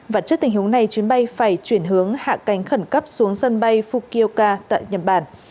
và trước tình huống này chuyến bay phải chuyển hướng hạ cánh khẩn cấp xuống sân bay fukyoka tại nhật bản